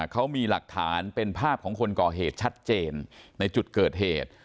เขามีหลักฐานเป็นภาพของคนก่อเหตุชัดเจนในจุดเกิดเหตุ